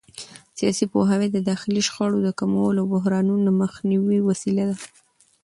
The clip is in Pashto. سیاسي پوهاوی د داخلي شخړو د کمولو او بحرانونو د مخنیوي وسیله ده